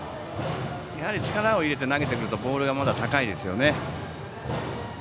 やはり力を入れて投げてくるとボールがまだ高いですよね。